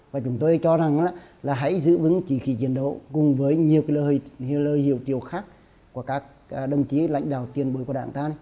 và chúng tôi cho rằng là hãy giữ vững trí khí chiến đấu cùng với nhiều lời hiệu triệu khác của các đồng chí lãnh đạo tiền bối của đảng ta